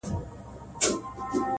• تاته هم یو زر دیناره درکومه..